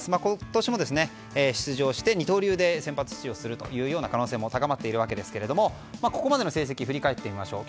今年も出場して二刀流で先発出場する可能性も高まっていますがここまでの成績を振り返ってみましょう。